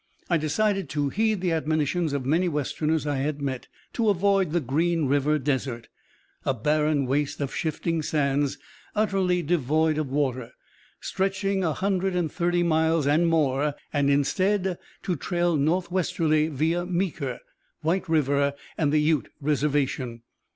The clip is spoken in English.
I decided to heed the admonitions of many Westerners I had met, to avoid the Green River desert, a barren waste of shifting sands, utterly devoid of water, stretching a hundred and thirty miles and more, and, instead, to trail northwesterly via Meeker, White River, and the Ute Reservation.